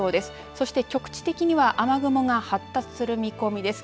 そして局地的には雨雲が発達する見込みです。